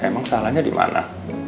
emang salahnya dimana